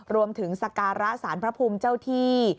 รวมถึงสาการสารพระพุมเจ้าที่